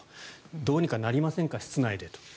どうにかなりませんか室内で。